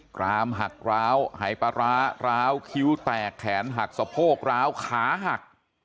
กรามหักร้าวหายปลาร้าร้าวคิ้วแตกแขนหักสะโพกร้าวขาหัก